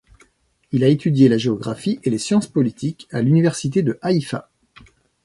Il a étudié la géographie et les sciences politiques à l'université de Haïfa.